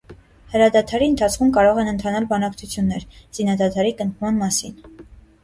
Հրադադարի ընթացքում կարող են ընթանալ բանակցություններ՝ զինադադարի կնքման մասին։